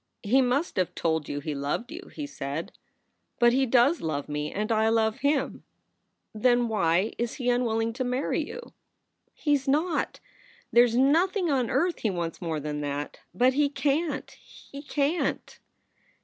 "He must have told you he loved you," he said. "But he does love me, and I love him." "Then why is he unwilling to marry you?" "He s not! There s nothing on earth he wants more than that. But he can t, he can t!"